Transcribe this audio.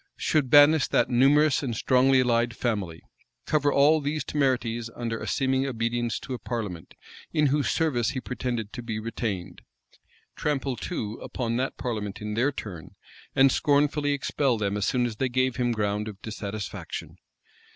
Should banish that numerous and strongly allied family? Cover all these temerities under a seeming obedience to a parliament, in whose service he pretended to be retained? Trample, too, upon that parliament in their turn, and scornfully expel them as soon as they gave him ground of dissatisfaction?